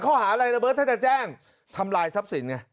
ข้อหาระเบิ้ลถ้าจะแจ้งทำลายทรัพย์สิน